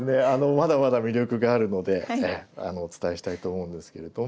まだまだ魅力があるのでお伝えしたいと思うんですけれども。